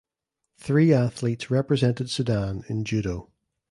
Three athletes represented Sudan in judo.